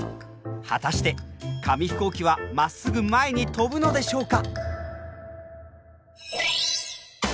果たして紙飛行機はまっすぐ前に飛ぶのでしょうか？